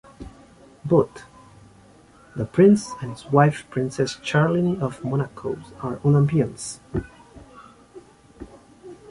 Both the Prince and his wife Princess Charlene of Monaco are Olympians.